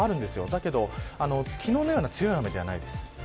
だけど昨日のような強い雨ではないです。